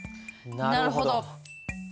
なるほど。